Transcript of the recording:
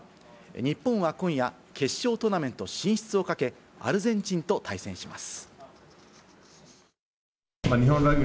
日本は今夜、決勝トーナメント進出をかけ、アルゼンチンと対戦します。